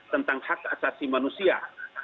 tentang hak asasi manusia